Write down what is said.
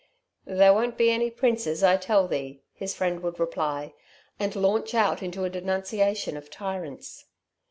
"There won't be any princes, I tell thee," his friend would reply, and launch out into a denunciation of tyrants.